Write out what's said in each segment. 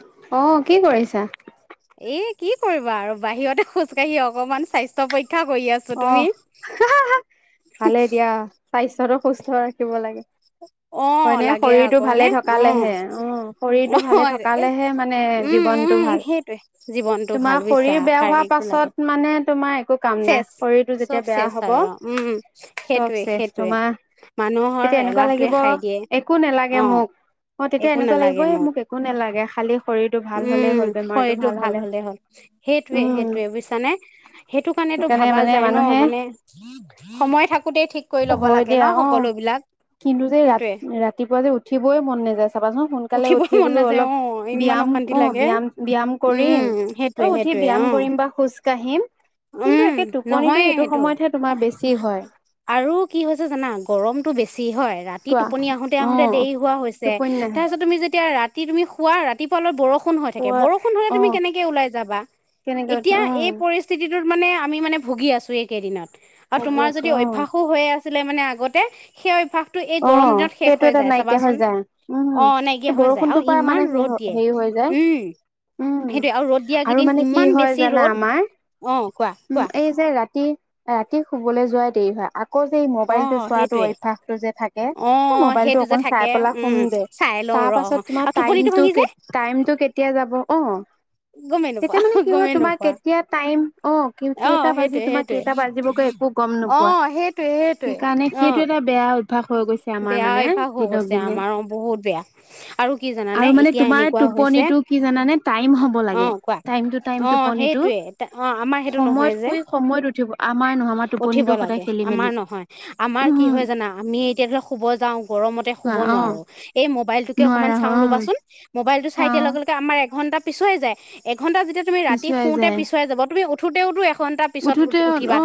[unintelligible] অ কি কৰিছা? এ কি কৰিব আৰু বাহিৰতে খোজকাাঢ়ি অকণমান স্বাস্থ্য পৰীক্ষা আহ ভালে দিয়া চাইছ সুস্থ ৰাখিব লাগে। হয়নে শৰীৰটো ভালে থকালেহে উ শৰীৰটো ভালে থকালেহে মানে জীৱনটো ভাল তোমাৰ শৰীৰ বেয়া হোৱা পাছত মানে তোমাৰ একো কাম নাই। চব চেচ আৰু উম সেইটোৱে সেইটোৱে মানুহৰ এলাহ তুবে খাই দিয়ে অ একো নালাগে মোক উম শৰীৰটো ভাল হলে হল সেইটোৱে সেইটোয়ে বুজিছা নে সেইটো কাৰনে টো ভাবা যায় ন মানে সময় থাকোঁতেই থিক কৰি লব লাগে ন সকলোবিলাক। কিন্তু যে ৰা ৰাতিপুৱা যে উঠিবই মন নাযায় চাবাচোন সোনকালে উঠি বোলো অলপ ব্যায়াম অ ব্যায়াম ব্যায়াম কৰিম অলপ উঠি ব্যায়াম কৰিম বা খোজ কাঢ়িম কিন্তু একে নহয়ে সেইটো আৰু কি হৈছে জানা গৰমটো বেছি। হয় ৰাতি টোপনি আহোতে আহোতে দেৰি হোৱা হৈছে তাৰপিছত তুমি যেতিয়া ৰাতি ৰাতি তুমি শুবা ৰাতিপুৱা অল বৰ বৰষুণ হৈ থাকে বৰষুণ হলে তুমি কেনেকে ওলাই যাবা এতিয়া এই পৰিস্থিতিত মানে আমি মানে ভুগি আছো এই কেইদিনত আও তোমাৰ যদি অভ্যাসো হৈ আছ [unintelligible] মানে আগতে সেই অভ্যাস অ', সেইটো এটা নাইকিয়া হৈ যায়। উম, এই বৰষুণটোৰ পৰা মানে হে‌ হৈ হেই হৈ যায়, উম আৰু মানে কি হয় জানা আমাৰ, উ, এই যে ৰাতি ৰাতি শুবলৈ যোৱাই দেৰি হয় আ কৌ যে এই মোবাইলটো চোৱাটো অভ্যাসটো যে থাক এ, মবাইলটো অকমান চাই পেলাই সুমগে, তাৰ পাছত তোমাৰ টাইমটো কেত টাইমটো কেতিয়া যা হব অ। তেতিয়া মানে কি হয় তোমাৰ, কেতিয়া টাইম, অ কি কেইটা বাজি তোমাৰ কেইটা বাজিবগৈ একো গম নোপোৱা। সেইকাৰণে সেইটো এটা বেয়া অব বেয়া অভ্যাস হৈ গৈছে আমাৰ অ বহুত বেয়া। আৰু কি জানানে এতিয়া এনেকুৱা হৈছে, অ কোৱা, অ সেইটোয়ে অ আমাৰ সেইটো নহয় যে, উঠিব লাগে আমাৰ নহয় আমাৰ কি হয় জানা, আমি শুব যাওঁ, গৰমতে শুব নোৱাৰোঁ, ‌এই ম'বাইলটোকে অকমান চাও ৰ'বা চোন। বাইলটো চাই দিয়া লগে লগে আমাৰ এঘণ্টা পিছুৱাই যায় ঘণ্টা যেতিয়া তুমি ৰাতি শোওঁতে পিছুয়াই যাব, তুমি‌ অত [inaudible] উঠোতে অ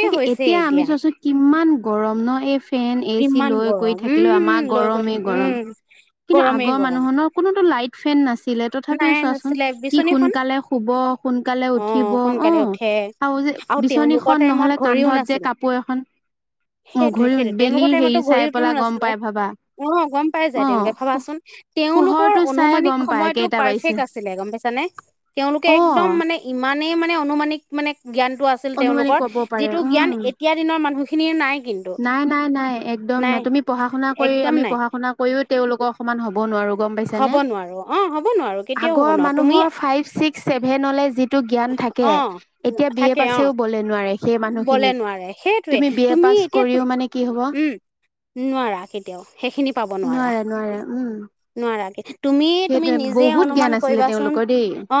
তাকে এতিয়া আমি যোৱাছো কিমান গৰম ন অ এই ফেন এ চি লৈ কৰি থাকিলেও আমাৰ গৰমে গৰম কিন্তু আগৰ মানুহনৰ কোনোটো লাইট ফেন নাছিল। ছিলে তথাপিও চোৱাচোন কি সোনকালে শুব, সোনকালে উঠি অ, সোনকালে উঠে, আৰু তেওঁলোকৰ টাইমত ঘড়ীও নাছিল। সেইটোৱে সেইটোৱে, তেওঁলোকৰ টাইমতো ঘড়ীওতো নাছিলে। অ গম পাই যায় তেওঁলোকে ভাৱাচোন। তেওঁলোকৰ অনুমানিক সময়তো পাৰফেক আছিলে গম পাইছানে? তেওঁলোকে এক দম মানে ইমা নে‌ মানে অনুমানিক মানে জ্ঞানটো আছিল তেওঁলোকৰ যিটো জ্ঞান এতিয়া দিনৰ মানুহখিনিৰ নাই। নাই নাই নাই, একদম নাই। তুমি পঢ়া শুনা কৰি আমি পঢ়া শুনা কৰিও তেওঁওলোকৰ সমান হব [inaudible] গম পাইছানে? আগৰ মানুহৰ ফাইভ, ছিক্স, ছেভ এ নলে জিত টো জ্ঞান থাকে, এতিয়া বি- এ পাছেও বলে নোৱাৰে সেই মানুহখিনিক। তুমি বি এ পাছ উম নোৱাৰা কেতিয়াও সেইখিনি পাব নোৱাৰা-নোৱাৰা কে তুমি, তুমি নিজে অনুমান কৰিবাচোন, অ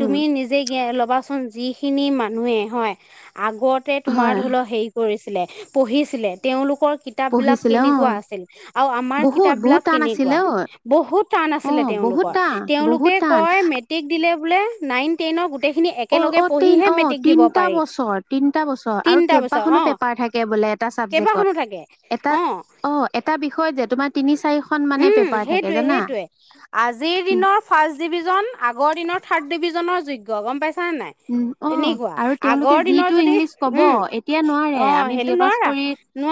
তুমি নিজ ল'বাচোন যিখিনি মানুহে হয়। আগতে তোমাৰ ধৰি লও হেৰি কৰিছে। পঢ়িছিলে তেওঁলোকৰ কিতাপ বিলাক কেনেকুৱা আছিল আৰু আমাৰ কিতাপ বিলাক কেনেকুৱা বহুত টান আছিলে তেওঁলোকৰ তেওঁলোকে কয় মেট্ৰিক দিলে লে নাইন। তেন গুন। অ অ তিন অ তিনটা বছৰ তিনটা বছৰ আৰু কেইবাখনো পেপাৰ থাকে বোলে এটা চাবজেক্টত এটা অ এটা বিষয় যে তোমাৰ তিনি উম সেইটোৱে সেইটোৱে আজিৰ দিনৰ ফাৰ্ষ্ট ডিভিজন আগৰ দিনৰ থাৰ্ড ডিভিজনৰ যোগ্য। লগ গম পাইছে। অ আৰু তেওঁলোকে যিটো ইংলিছ ক'ব এতিয়া নোৱাৰে আমি বি এ পাছ কৰি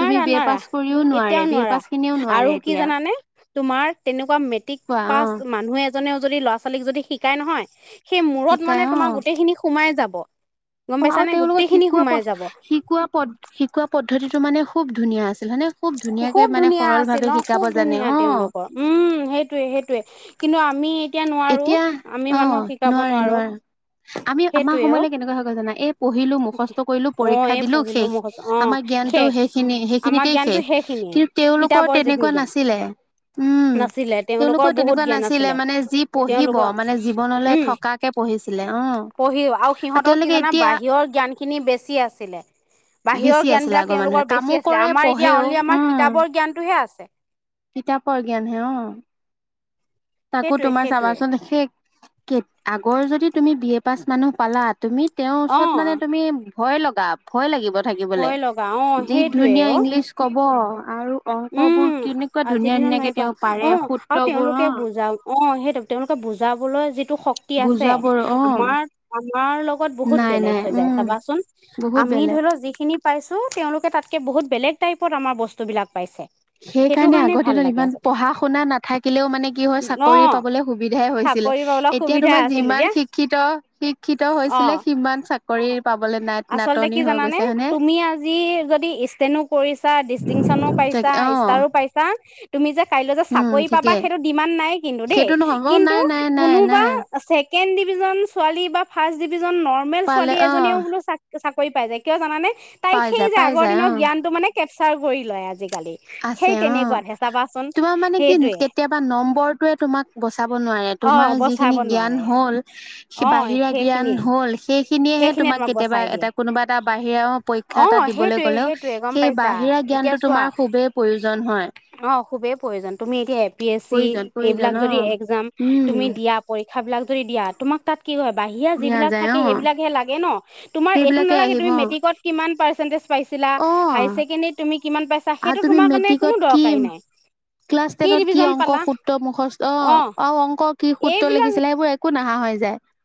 তুমি বি এ পাছ কৰিও নোৱাৰে বি এ পাছ কিনিও নোৱাৰে এতিয়া। তোমাৰ তেনেকুৱা মেট্ৰিক পাছ মানুহে। এজনেও যদি ল'ৰা ছোৱালীক যদি শিকাই নহয়। সেই মূৰত মানে তোমাৰ গোটেইখিনি সোমাই যাব। ব অ আৰু তেওঁলোকক শিকোৱা শিকোৱা শিকোৱা পদ্ধতিটো মানে খুব ধুনীয়া আছে। খুব ধুনীয়া আছিল অ খুব ধুনীয়া তেওঁওলোকৰ উম সেইটোয়ে সেইটোয়ে কিন্তু তুমি এতিয়া অ নোৱাৰে নোৱা আমি আমাৰ সময়লৈ কেনেকুৱা হৈ গল জানা এই পঢ়িলো মুখস্থ কৰিলো পৰীক্ষা দিলো শেষ আমাৰ জ্ঞানটো সেইখিনি সেইখিনিতেই শেষ কিন্তু তেওঁলোকৰ তেনেকুৱা নাছিলে উম তেওঁলোকৰ তেনেকুৱা নাছিলে মানে যি পঢ়িব মানে জীৱনলৈ থকাকে পঢ়িছিলে অ পঢ়িও আৰু সিহঁতৰ কি জানা বাহিৰৰ জ্ঞান খিনি বেছি আছিলে বাহিৰৰ জ্ঞান বিলাক তেওঁলোকৰ বেছি আছিলে আমাৰ এতিয়া অনলি আমাৰ কিতাপৰ জ্ঞানটোহে আছে তাকো তোমাৰ চাবাচোন শেষ কে আগৰ যদি তুমি বি এ পাছ মানুহ পালা তুমি তেওঁৰ ওচৰত মানে তুমি হয় লগাব ভয় লাগিব থাকিবলে যি ধুনীয়া ইংলিছ কব অংক বোৰ কেনেকুৱা ধুনীয়া ধুনীয়াকে তেওঁ পাৰে সূত্ৰ বোৰ অ অ সেইটো তেওঁলোকে বুজাবলৈ যি শক্তি আছে আমাৰ আমাৰ লগত বহুত বেলেগ হৈ যায় চাবাচোন আমি ধৰি লওক যিখিনি পাইছো তেওঁলোকে তাতকে বহুত বেলেগ টাইপত আমাৰ বস্তুবিলাক পাইছে সেইকাৰণে আগৰ দিনত ইমান পঢ়া শুনা নাথাকিলেও মানে কি হয় চাকৰি পাবলৈ সুবিধাই হৈছিলে এতিয়া তোমাৰ যিমান শিক্ষিত শিক্ষিত হৈছিলে সিমান চা কৰি আচলতে কি জানানে তুমি আজি যদি ষ্টেণো কৰিছা ডিষ্টিংচনো পাইছা ষ্টাৰো পাইছা তুমি যে কাইলৈ যে চাকৰি পাবা সেইটো ডিমাণ্ড নাই কিন্তু দেই কিন্তু কোনোবা চেক ছেকেণ্ড ডিভিজন ছোৱালী বা ফাষ্ট ডি দুজন নৰ্মেল ছোৱালীৱে এজনীও বোলো চাক চাকৰি পাই যায় কিয় জানানে তাই সেই যে আগৰ দিনৰ জ্ঞানটো মানে কেপচাৰ কৰি লয় আজি আছে অ তোমাৰ মানে কি কেতিয়াবা নম্বৰটোয়ে তোমাক বচাব নোৱাৰে তোমাৰ যিখিনি জ্ঞান হল বাহিৰা জ্ঞান হল সেইখিনি এ তোমাক কেতিয়াবা এটা কোনোবা এটা বাহিৰা পৰীক্ষা এটা দিবলৈ গ'লেও সেই বাহিৰা জ্ঞানটো তোমাৰ খুবেই অ খুবেই প্ৰয়োজন তুমি এতিয়া এ পি এ চি এইবিলাক যদি এক্সজাম তুমি দিয়া পৰী- ক্ষা বিলাক যদি দিয়া তোমাক তাত কি হয় বাহিৰা যিবিলাক থাকে সেইবিলাকহে লাগ এ ন তুমাৰ এইটো নালাগে তুমি মেট্ৰিকত কিমান পাইচা পাৰ্চেণ্টেজ ছিলা হাইছেকেন্দিত তুমি কিমান পাইছা সেইতো তোমাৰ কাৰণে দৰকাৰী নাই। কি দিবিজন পালা অ কি সূত্ৰ লিখিছিলে সেইবোৰ একো না- নহয়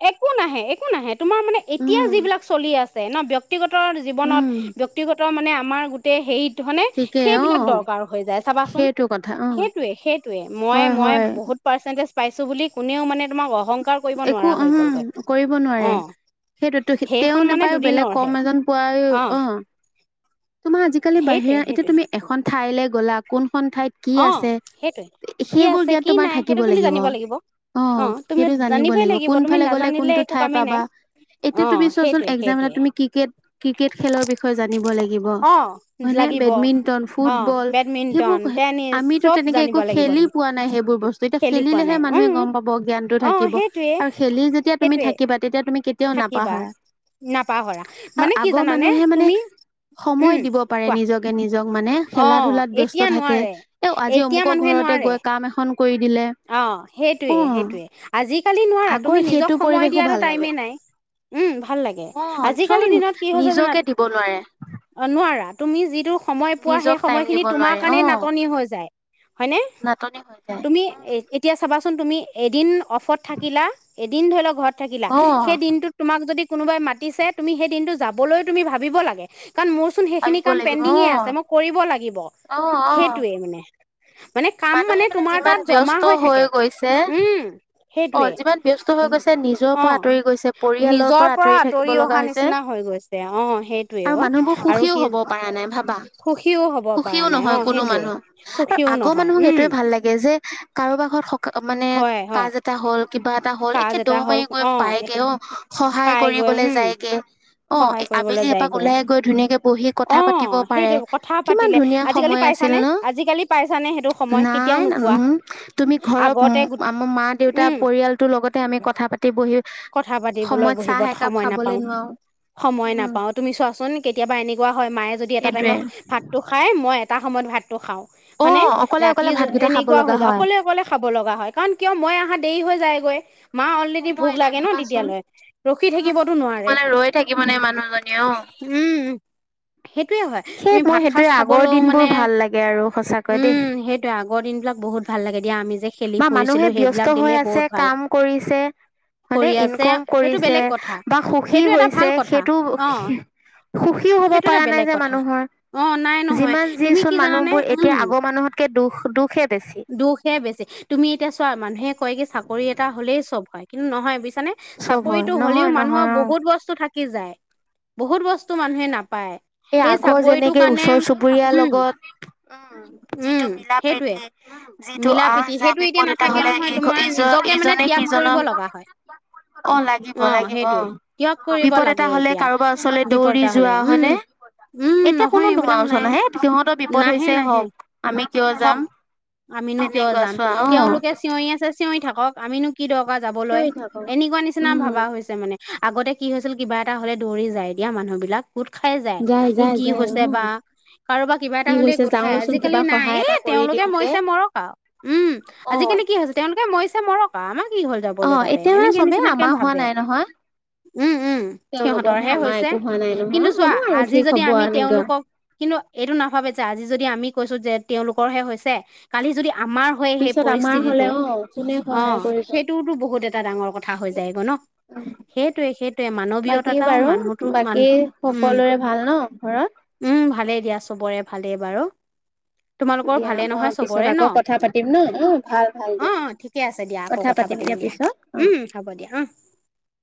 একো নাহে একো নাহে তোমাৰ মানে এতিয়া যিবিলাক চলি আছে ন ব্যক্তিগত জীৱনত ব্যক্তিগত গত মানে আমাৰ গোটেই হেইত মানে সেই বিলাক দৰকাৰ হৈ যায় চাবাচোন সেইটো সেইটোৱেই মই মই বহুত পাৰ্চেন্টেজ পাইছো বুলি কোনেও মানে তোমাক অহং- কাৰ কৰিব নোৱাৰা উমম কৰিব নোৱাৰে সেইটোতো তেওঁ নাপায় বেলেগ কম এজন পোৱাই অ তোমাৰ আজিকালি বাহিৰা এতিয়া তুমি এখন ঠাইলৈ গ'লাক কোন কোন ঠাইত কি আছে সেইবোৰ জ্ঞান তোমাৰ থাকিব লাগিব। অ সেইটো জানিব লাগিব কোন ফালে গ'লে কোনটো ঠাই পাবা। এতিয়া তুমি চোৱাচোন এক্সজাম এটা তুমি ক্ৰিকেট ক্ৰিকেট খেলৰ বিষয়ে জানিব লাগিব ব হয় নে বেডমিন্টন ফুটবল সেইবোৰ ক- আমিতো তেনেকে একো খেলি পোৱা নাই সেইবোৰ বস্তু এতিয়া খেলিলেহে মানুহে গম পাব জ্ঞানটো থাকিব আৰু খেলি যেতিয়া তুমি থাকিবা তেতিয়া তুমি কেত- থাকিবা নাপাহৰা মানে কি জানানে তুমি সময় দিব পাৰে নিজকে নিজক অ এতিয়া নোৱাৰে এতিয়া মানুহে নোৱাৰে অ সেইটোৱে সেইটোৱে আজিকালি নোৱাৰা তুমি নিজক সময় দিয়াটো টাইমেই নাই উম ভাল লাগে আজিকালিৰ দিনত কি হৈছে জানা অ নোৱাৰা তুমি যিটো স পোৱা সেই সময় খিনি তোমাৰ কাৰণে নাটনি হৈ যায় হয়নে তুমি এতিয়া চাবাচোন তুমি এদিন অফত থাকিলা এদিন ধৰি লওক ঘৰত থাকিলা সেই দিনটোত তোমাক যদি কোনোবাই মাতিছে তুমি সেই দিনটো যাবলৈও তুমি ভাবিব লাগে কাৰণ মোৰ চোন সেইখিনি কাম পেণ্ডিঙে আছে মোক কৰিব লাগিব সেইটোৱে মানে মানে কাম মানে তোমাৰ তাত জমা হৈ থাকে উম অ', যিমান ব্যস্ত হৈ গৈছে নিজৰ পৰা আঁতৰি গৈছে পৰিয়ালৰ পৰা আঁতৰি থাকিব লগা হৈছে আৰু মানুহবোৰ সুখীও হ'ব পৰা নাই ভাবা। সুখীও নহয় কোনো মানুহ আৰু আগৰ মানুহক এইটোৱে ভাল লাগে যে কাৰোবাক ঘত মানে কাজ হ'ল কিবা এটা হ'ল একে দৌল মাৰি গৈ পায়গে অ'- সহায় কৰিবলৈ যায়গে অ', আবেলি এপাক ওলাই গৈ ধুনীয়াকে বহি কথা পাতিব পাৰে কিমান ধুনীয়া সময় আছিল ন' নাইম তুমি ঘৰত আমাৰ মা-দেউ কথা পাতিবলৈ বহিব সময় নাপাও, সময় নাপাও তুমি চোৱাচোন কেতিয়াবা এনেকুৱা হয় মায়ে যদি এটা টাইমত ভাতটো খাই মই এটা সময়ত ভাত খাওঁ হয়নে ৰাতি এনেকুৱা হৈ যায় অকলে অকলে খাব লগা হয় কাৰণ কিয় মই দেৰি হৈ যায়। গৈ মা অলৰেডি ভোক লাগে ন তেতিয়ালৈ ৰখি থাকিবতো নোৱাৰে উম সেইটোয়ে হয় তুমি ভাত সজ খাবলৈও মানে উম সেইটোয়ে আগৰ দিন বিলাক বহুত ভাল লাগে দিয়া আমি যে খেলি ফুৰিছিলো সেইবিলাক দিনে বহুত ভাল মানে ইনকম কৰিছে বা সুখী হৈছে সেইটো সুখীও হ'ব প নাই যে মানুহৰ যিমান যিচোন মানুহবোৰ এতিয়া আগৰ মানুহতকে দুখ দুখে হে বেছি চব হয় কিন্তু নহয় বেছি চানে চাকৰিতটো হ'লেও মানুহৰ বহুত বস্তু থাকে থাকি যায় নাই-নাই। এই আগৰ যেনেকে ওচৰ-চুবুৰীয়াৰ লগত, অ', যিটো মিলা-প্ৰীতি অ' যিটো আহ-যাহ বিপদ এটা হ'লে ইঘৰ-ই-ইজ-ইজনে-সিজনক অ', লাগিব-লাগিব অ', বিপদ এটা হ'লে কাৰোবাৰ ওচৰলে দৌৰি যোৱা হয়নে, এতিয়া কোনো তোমাৰ ওচৰত নাহে। সিহঁতৰ বিপদ হৈছে হওক, আমি হওক, আমিনো কিয় যাম। তেওঁলোকে চিঞৰি আছে, চি চিঞৰি থাকক, আমিনো কি কি দৰকাৰ যাবলৈ, এনেকুৱা নিচিনা ভাবা হৈছে মানে। আগতে কি হৈছিল কিবা এটা হ'লে দৌৰি যায়, দিয়া মানুহবিলাক গোট খাই যায়। এই কি হৈছে বা কাৰোবা কিবা এটা হ'লে গোট খাই। আজিকালি নাই হে, তেওঁলোকে মৰিছে মৰক আৰু উম, আজিকালি কি হৈছে তেওঁলোকে ম মৰিছে মৰক আৰ আমাৰ কি হ'ল যাবলৈ তাতে এনেকে নিচিনাকে ভাবে। উম, উম, সিহঁতৰহে হৈছে, কিন্তু চোৱা আজি যদি আমি তেওঁলোকক কিন্তু এইটো নাভাবে, যে আজি যদি আমি কৰিছো জে তেওঁলোকৰহে হৈছে কালি যদি আমাৰ হয়, সেই পৰিস্থিতিটো অ', সেইটোও বহুত এটা ডাঙৰ কথা হৈ যায় গ‌ই ন। সেইটোৱে-সেইটোৱে মানৱীয়তা তাও মানুহটো-মান, উম, উম, ভালেই দিয়া চবৰে ভালেই বাৰু। দিয়া, মই পিছত আকৌ কথা পাতিম ন' ন' ভাল-ভাল দিয়া। কথা পাতিম দিয়া পিছত অহ।